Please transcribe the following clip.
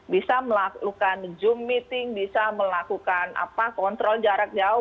bisa melakukan zoom meeting bisa melakukan kontrol jarak jauh